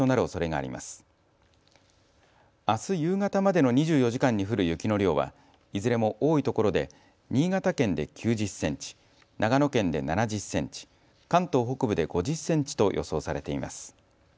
あす夕方までの２４時間に降る雪の量はいずれも多いところで新潟県で９０センチ、長野県で７０センチ、関東北部で５０センチと予想されています。